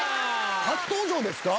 初登場ですか？